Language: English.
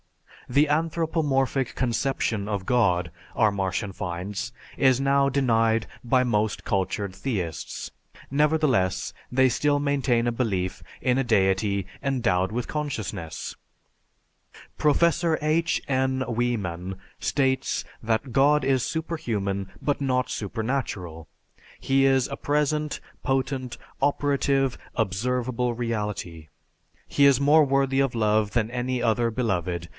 The anthropomorphic conception of God, our Martian finds, is now denied by most cultured theists; nevertheless, they still maintain a belief in a deity endowed with consciousness. Professor H. N. Wieman states that, "God is superhuman, but not supernatural. He is a present, potent, operative, observable reality.... He is more worthy of love than any other beloved